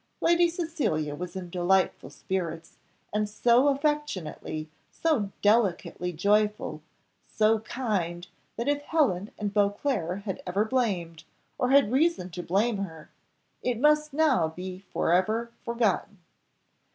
Lady Cecilia was in delightful spirits, and so affectionately, so delicately joyful so kind, that if Helen and Beauclerc had ever blamed, or had reason to blame her, it must now be for ever forgotten.